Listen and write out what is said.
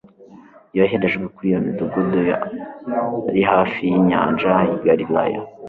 yoherejwe kuri iyo midugudu yari hafi y'inyanja y'i Galilaya.